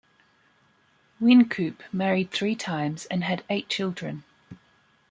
Wynkoop married three times and had eight children.